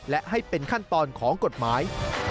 และให้เป็นขั้นตอนของกฎหมาย